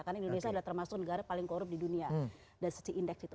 karena indonesia adalah termasuk negara paling korup di dunia dan setiap indeks itu